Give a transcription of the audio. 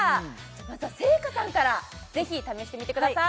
まずは星夏さんからぜひ試してみてください